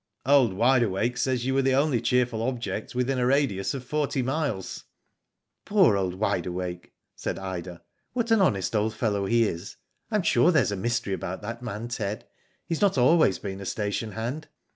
Old Wide Awake says you were the only cheerful ^object within a radius of forty miles." '* Poor old Wide Awake," said Ida. " What an honest old fellow he is. Fm sure there's a mystery about that man, Ted. He has not always been a station hand."